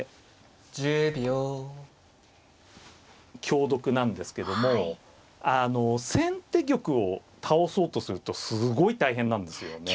香得なんですけどもあの先手玉を倒そうとするとすごい大変なんですよね。